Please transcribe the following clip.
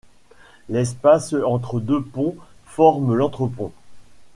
L'espace entre deux ponts forme l'entrepont.